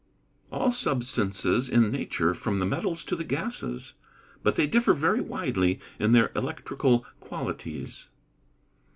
_ All substances in nature, from the metals to the gases. But they differ very widely in their electrical qualities.